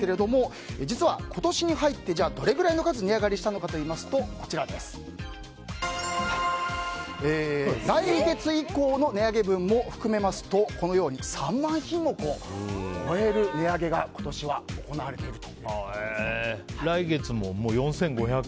このところ、値上げのニュースが頻繁に聞かれると思うんですが実は、今年に入ってどれくらいの数が値上がりしたのかというと来月以降の値上げ分も含めますとこのように３万品目を超える値上げが今年は行われていると。